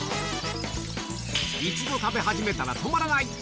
一度食べ始めたら止まらない。